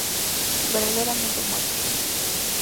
Verdaderamente muertos.